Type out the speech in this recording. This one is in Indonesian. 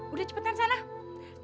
udah cepetkan sana